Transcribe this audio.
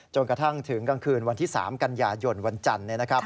จนกระทั่งถึงกลางคืนวันที่๓กันยายนวันจันทร์เนี่ยนะครับ